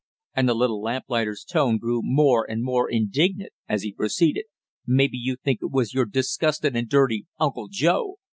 And the little lamplighter's tone grew more and more indignant as he proceeded. "Maybe you think it was your disgustin' and dirty Uncle Joe?